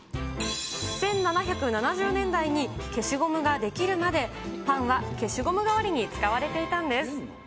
１７７０年代に消しゴムが出来るまで、パンは消しゴム代わりに使われていたんです。